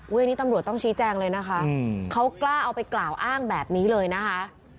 วันนี้ตำรวจต้องชี้แจงเลยนะคะเขากล้าเอาไปกล่าวอ้างแบบนี้เลยนะคะ